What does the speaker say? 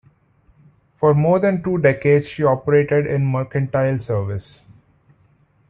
For more than two decades, she operated in mercantile service.